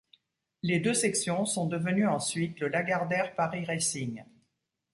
Les deux sections sont devenus ensuite le Lagardère Paris Racing.